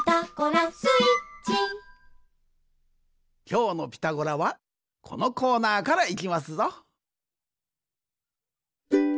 きょうの「ピタゴラ」はこのコーナーからいきますぞ。